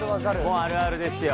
もうあるあるですよ